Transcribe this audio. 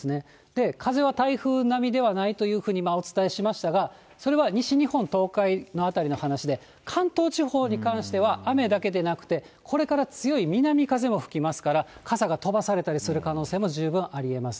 で、風は台風並みではないというふうにお伝えしましたが、それは西日本、東海の辺りの話で、関東地方に関しては、雨だけでなくて、これから強い南風も吹きますから、傘が飛ばされたりする可能性も十分ありえます。